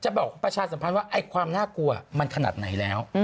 บอกประชาสัมพันธ์ว่าไอ้ความน่ากลัวมันขนาดไหนแล้ว